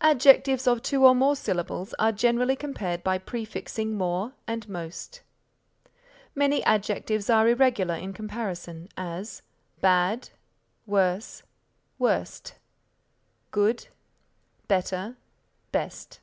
Adjectives of two or more syllables are generally compared by prefixing more and most. Many adjectives are irregular in comparison; as, Bad, worse, worst; Good, better, best.